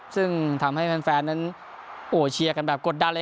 ซึ่งทำให้แฟนนั้นเชียร์กันแบบกดดันเลย